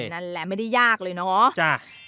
นั่นแหละไม่ได้ยากเลยเนาะ